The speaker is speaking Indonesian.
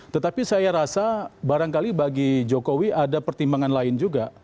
tetapi saya rasa barangkali bagi jokowi ada pertimbangan lain juga